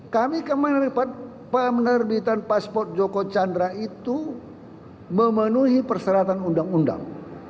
kami kemarin penerbitan paspor joko chandra itu memenuhi persyaratan undang undang